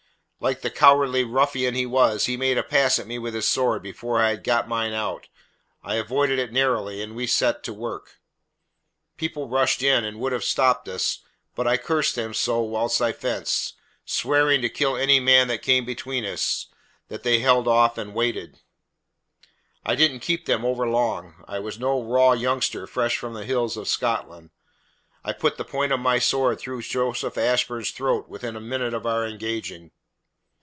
Like the cowardly ruffian he was, he made a pass at me with his sword before I had got mine out. I avoided it narrowly, and we set to work. "People rushed in and would have stopped us, but I cursed them so whilst I fenced, swearing to kill any man that came between us, that they held off and waited. I didn't keep them overlong. I was no raw youngster fresh from the hills of Scotland. I put the point of my sword through Joseph Ashburn's throat within a minute of our engaging.